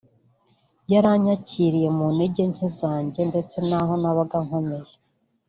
waranyakiriye mu ntege nke zanjye ndetse naho nabaga nkomeye”